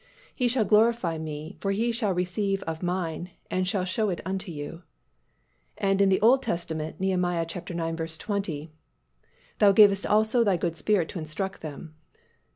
He shall glorify Me: for He shall receive of Mine, and shall show it unto you." And in the Old Testament, Neh. ix. 20, "Thou gavest also Thy good Spirit to instruct them."